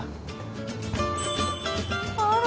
あら。